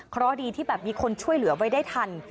เพราะดีที่แบบมีคนช่วยเหลือไว้ได้ทัน